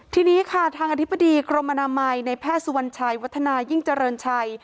ทีนี้ค่ะทางอธิบดีกรมอนามัยในแพทย์สุวรรณชัยวัฒนายิ่งเจริญชัย